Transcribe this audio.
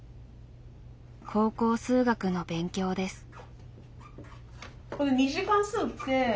高校数学の勉強です。